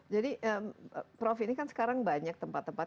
jadi prof ini kan sekarang banyak tempat tempat